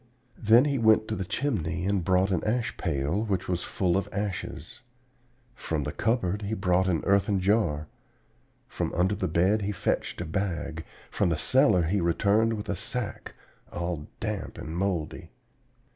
Then he went to the chimney and brought the ash pail, which was full of ashes; from the cupboard he brought an earthen jar; from under the bed he fetched a bag; from the cellar he returned with a sack, all damp and moldy.